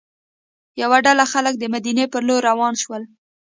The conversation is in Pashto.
یوه ډله خلک د مدینې پر لور روان شول.